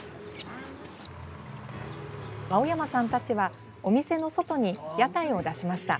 青山さんたちはお店の外に屋台を出しました。